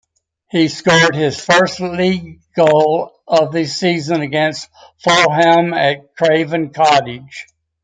He scored his first league goal of the season against Fulham at Craven Cottage.